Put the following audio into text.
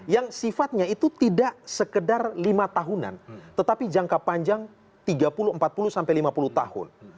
yang sifatnya itu tidak sekedar lima tahunan tetapi jangka panjang tiga puluh empat puluh sampai lima puluh tahun